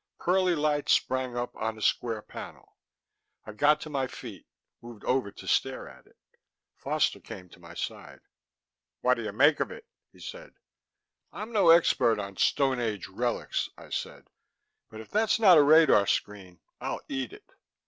Pearly light sprang up on a square panel. I got to my feet, moved over to stare at it. Foster came to my side. "What do you make of it?" he said. "I'm no expert on stone age relics," I said. "But if that's not a radar screen, I'll eat it."